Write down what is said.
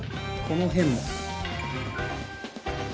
この辺も。